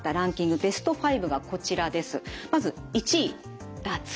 ベスト５がこちらです。